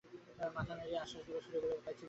মাথা নাড়িয়া আশ্বাস দিবার সুরে বলিল, কাইবিচি নেবে?